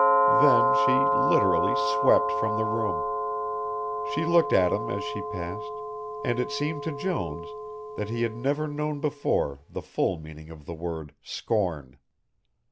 Then she, literally, swept from the room. She looked at him as she passed, and it seemed to Jones that he had never known before the full meaning of the word "scorn."